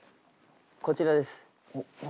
こちらです。